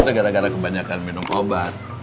itu gara gara kebanyakan minum obat